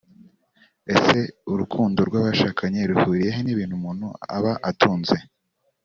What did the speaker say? Ese urukundo rw’abashakanye ruhuriye he n’ibintu umuntu aba atunze